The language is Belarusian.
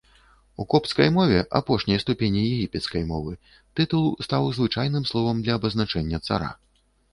У копцкай мове, апошняй ступені егіпецкай мовы, тытул стаў звычайным словам для абазначэння цара.